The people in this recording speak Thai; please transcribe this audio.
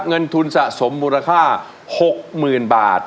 เงินทุนสะสมมูลค่า๖๐๐๐บาท